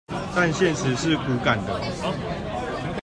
但現實是骨感的